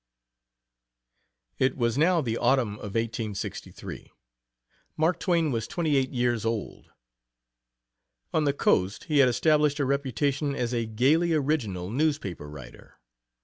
It was now the autumn of 1863. Mark Twain was twenty eight years old. On the Coast he had established a reputation as a gaily original newspaper writer.